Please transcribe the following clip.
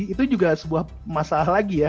itu juga sebuah masalah lagi ya